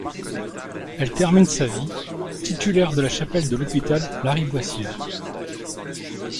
Elle termine sa vie titulaire de la chapelle de l'hôpital Lariboisière.